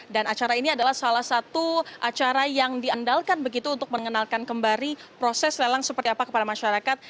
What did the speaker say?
dan acara ini adalah salah satu acara yang diandalkan begitu untuk mengenalkan kembali proses lelang seperti apa kepada masyarakat